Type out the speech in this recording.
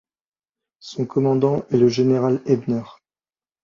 Son commandant est le général Ebener.